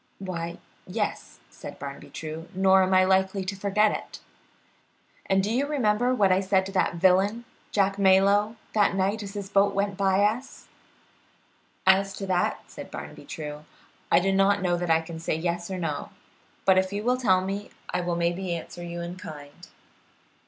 "Why, yes," said Barnaby True, "nor am I likely to forget it." "And do you remember what I said to that villain, Jack Malyoe, that night as his boat went by us?" "As to that," said Barnaby True, "I do not know that I can say yes or no, but if you will tell me, I will maybe answer you in kind."